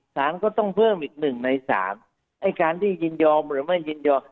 สารก็ต้องเพิ่มอีกหนึ่งในสามไอ้การที่ยินยอมหรือไม่ยินยอม